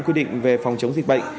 quy định về phòng chống dịch bệnh